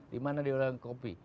di mana diwilayahkan kopi